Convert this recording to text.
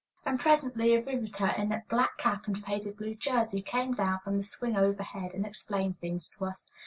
And presently a riveter in black cap and faded blue jersey climbed down from the swing overhead, and explained things to us.